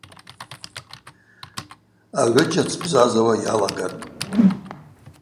Агӏвыджь ацбзазауа йалагатӏ.